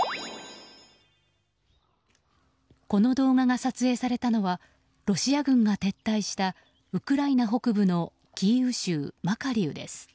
この動画が撮影されたのはロシア軍が撤退したウクライナ北部のキーウ州マカリウです。